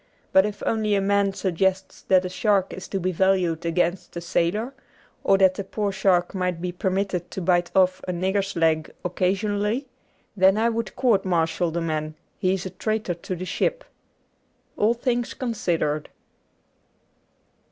But if once a man suggests that a shark is to be valued against a sailor, or that the poor shark might be permitted to bite off a nigger's leg occasionally, then I would court martial the man — he is a traitor to the ship. ^All Things Considered.